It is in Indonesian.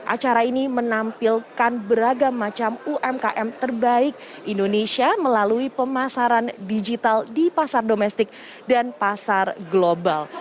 acara ini menampilkan beragam macam umkm terbaik indonesia melalui pemasaran digital di pasar domestik dan pasar global